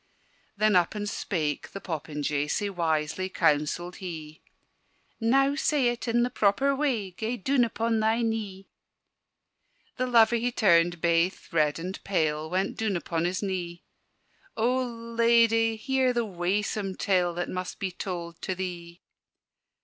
Then up and spake the popinjay, Sae wisely counselled he. "Now say it in the proper way: Gae doon upon thy knee!" The lover he turned baith red and pale, Went doon upon his knee: "O Ladye, hear the waesome tale That must be told to thee!